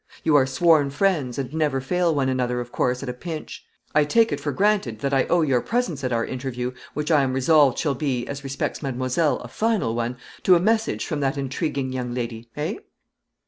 You are sworn friends, and never fail one another, of course, at a pinch. I take it for granted that I owe your presence at our interview which I am resolved shall be, as respects mademoiselle, a final one, to a message from that intriguing young lady eh?"